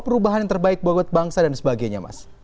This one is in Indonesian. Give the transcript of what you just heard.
perubahan yang terbaik buat bangsa dan sebagainya mas